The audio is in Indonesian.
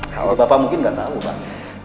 kalau bapak mungkin nggak tahu pak